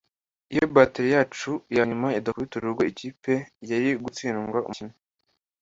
Iyo batteri yacu ya nyuma idakubita urugo ikipe yari gutsindwa umukino